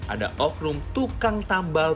ada oknum tukang tambal